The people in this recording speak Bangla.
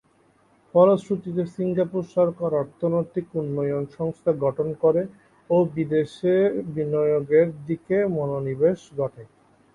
ফলশ্রুতিতে সিঙ্গাপুর সরকার অর্থনৈতিক উন্নয়ন সংস্থা গঠন করে ও বিদেশ বিনিয়োগের দিকে মনোনিবেশ ঘটায়।